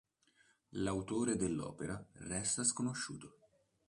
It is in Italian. L'autore dell'opera resta sconosciuto.